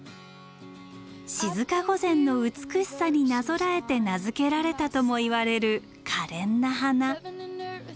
静御前の美しさになぞらえて名付けられたともいわれるかれんな花。